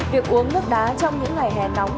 việc uống nước đá trong những ngày hè nóng